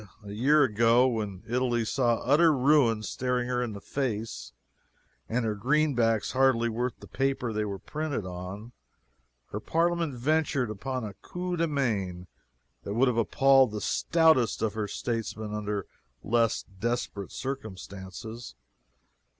A year ago, when Italy saw utter ruin staring her in the face and her greenbacks hardly worth the paper they were printed on, her Parliament ventured upon a 'coup de main' that would have appalled the stoutest of her statesmen under less desperate circumstances.